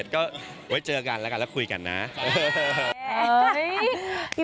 ความความความว่าจะมี